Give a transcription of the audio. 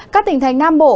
các tỉnh thành nam bộ